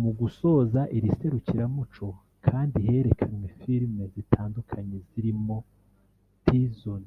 Mu gusoza iri serukiramuco kandi herekanwe film zitandukanye zirimo ‘Tyson’